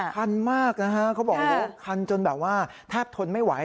คันมากนะฮะเขาบอกโอ้โหคันจนแบบว่าแทบทนไม่ไหว